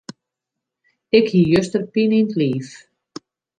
Ik hie juster pine yn 't liif.